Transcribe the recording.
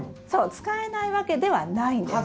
使えないわけではないんです。